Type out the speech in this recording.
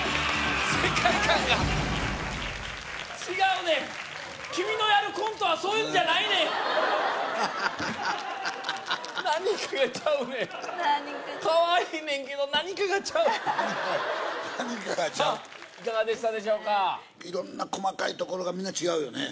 世界観が違うねん君のやるコントはそういうんじゃないねん何かがちゃうねんカワイイねんけど何かがちゃう何かがちゃういかがでしたでしょうか色んな細かいところがみな違うよね